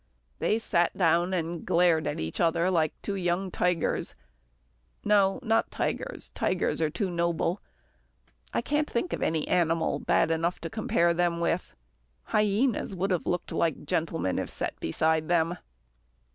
They sat down, and glared at each other like two young tigers no, not tigers, tigers are too noble. I can't think of any animal bad enough to compare them with. Hyenas would have looked like gentlemen if set beside them.